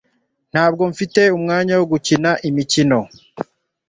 Ntabwo mfite umwanya wo gukina imikino